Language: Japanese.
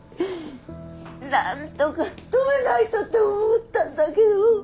なんとか止めないとって思ったんだけど。